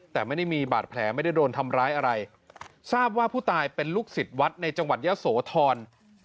แต่ไม่ได้มีบาดแผลไม่ได้โดนทำร้ายอะไรทราบว่าผู้ตายเป็นลูกศิษย์วัดในจังหวัดยะโสธร